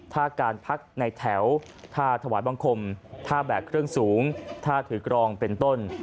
ถ้าการพักในแถวถ้าถวายบังคมถ้าแบกเครื่องสูงถ้าถือกรองเป็นต้น